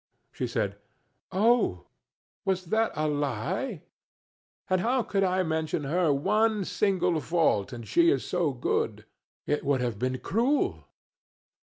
She said, "Oh, was that a lie? And how could I mention her one single fault, and she is so good? It would have been cruel."